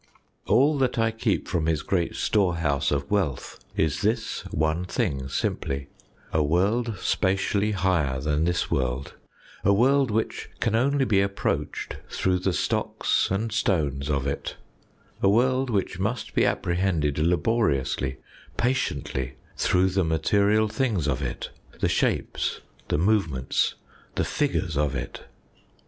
All that I keep from his great storehouse of wealth is this one thing simply a world spatially higher than this world, a world which can only be approached through the stocks and stones of it, a world which must be appre hended laboriously, patiently, through the material things of it, the shapes, the movements, the figures of it.